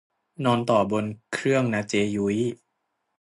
นอนต่อบนเครื่องนะเจ้ยุ้ย